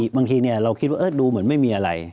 บางทีเราคิดว่าดูเหมือนไม่มีอะไร